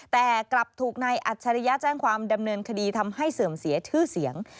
แต่กลับถูกนายอัจฉริยะแจ้งความดำเนินคดีทำให้เสื่อมเสียชื่อเสียง